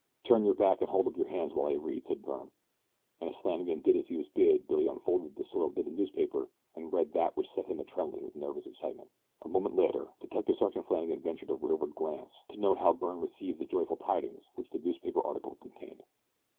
"Turn your back and hold up your hands while I read," said Byrne, and as Flannagan did as he was bid Billy unfolded the soiled bit of newspaper and read that which set him a trembling with nervous excitement. A moment later Detective Sergeant Flannagan ventured a rearward glance to note how Byrne was receiving the joyful tidings which the newspaper article contained.